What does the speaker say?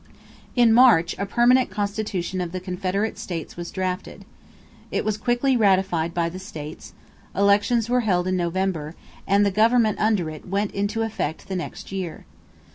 In March, a permanent constitution of the Confederate states was drafted. It was quickly ratified by the states; elections were held in November; and the government under it went into effect the next year.